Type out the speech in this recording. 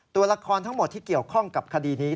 ตัวละครทั้งหมดที่เกี่ยวข้องกับคดีนี้